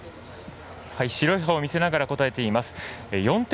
白い歯を見せながら答えています。